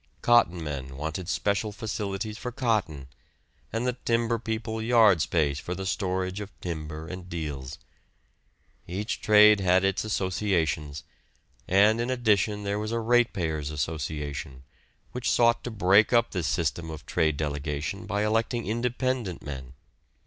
Cotton men wanted special facilities for cotton, and the timber people yard space for the storage of timber and deals. Each trade had its associations, and in addition there was a ratepayers' association, which sought to break up this system of trade delegation by electing independent men.